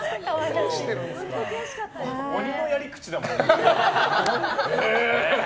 鬼のやり口だもんね。